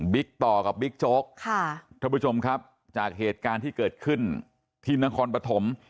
ต่อกับบิ๊กโจ๊กท่านผู้ชมครับจากเหตุการณ์ที่เกิดขึ้นที่นครปฐม